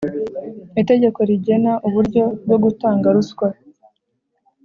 itegeko rigena uburyo bwo gutanga ruswa